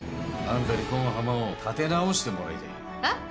あんたにこん浜を立て直してもらいたいんよ。